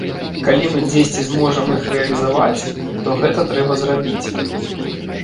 Калі мы дзесьці зможам іх рэалізаваць, то гэта трэба зрабіць.